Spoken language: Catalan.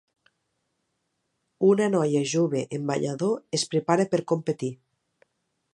Una noia jove en banyador es prepara per competir.